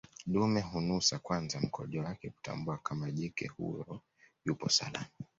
Dume hunusa kwanza mkojo wake kutambua kama jike huyo yupo salama